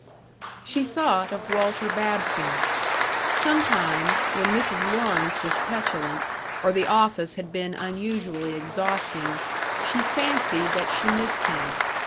§ 2 She thought of Walter Babson. Sometimes, when Mrs. Lawrence was petulant or the office had been unusually exhausting, she fancied that she missed him.